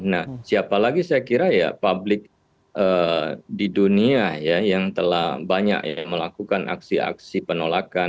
nah siapa lagi saya kira ya publik di dunia yang telah banyak melakukan aksi aksi penolakan